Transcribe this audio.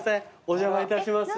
お邪魔いたします。